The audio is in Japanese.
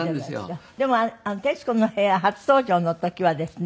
でも『徹子の部屋』初登場の時はですね